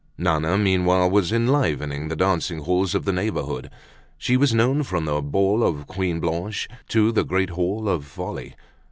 Nana meanwhile was enlivening the dancing halls of the neighborhood. She was known from the "Ball of Queen Blanche" to the "Great Hall of Folly."